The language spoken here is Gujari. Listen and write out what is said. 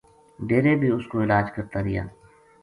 ڈیرے بے اُس کو علاج کرتا رہیا